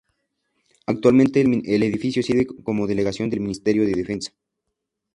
Actualmente este edificio sirve como Delegación del Ministerio de Defensa.